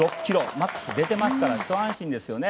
マックスが出ていますからひと安心ですよね。